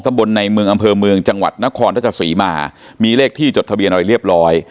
ตำบลในเมืองอำเภอเมืองจังหวัดนครรภ์ทรัศจสีมามีเลขที่จดทะเบียนไว้เรียบร้อย